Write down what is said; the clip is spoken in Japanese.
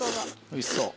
おいしそう。